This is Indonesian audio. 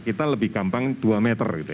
kita lebih gampang dua meter gitu ya